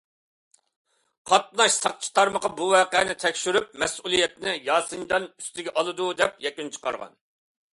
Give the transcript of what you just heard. قاتناش ساقچى تارمىقى بۇ ۋەقەنى تەكشۈرۈپ، مەسئۇلىيەتنى ياسىنجان ئۈستىگە ئالىدۇ، دەپ يەكۈن چىقارغان.